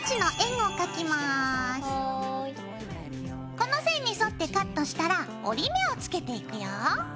この線に沿ってカットしたら折り目をつけていくよ。